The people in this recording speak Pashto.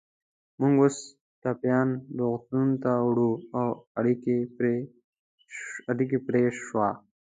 موږ اوس ټپیان روغتونونو ته وړو، او اړیکه پرې شوه.